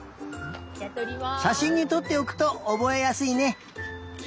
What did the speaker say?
しゃしんにとっておくとおぼえやすいね。